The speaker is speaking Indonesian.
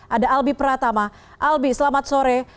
ada albi pratama albi selamat sore